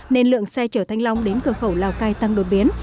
nên lượng xe chở thanh long đến cửa khẩu lào cai tăng đột biến